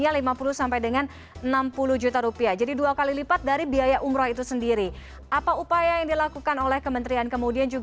assalamualaikum wr wb